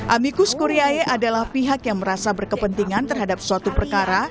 amicus koreae adalah pihak yang merasa berkepentingan terhadap suatu perkara